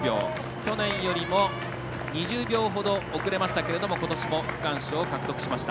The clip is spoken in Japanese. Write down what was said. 去年よりも２０秒ほど遅れましたがことしも区間賞を獲得しました。